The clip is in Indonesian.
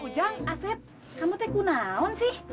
ujang aset kamu tuh kenaan sih